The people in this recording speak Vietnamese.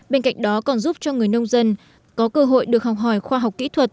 bên cạnh đó còn giúp cho người nông dân có cơ hội được học hỏi khoa học kỹ thuật